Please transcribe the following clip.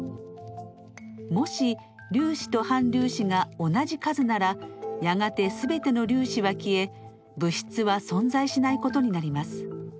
もし粒子と反粒子が同じ数ならやがて全ての粒子は消え物質は存在しないことになります。